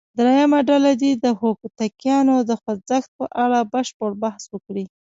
درېمه ډله دې د هوتکیانو د خوځښت په اړه بشپړ بحث وکړي.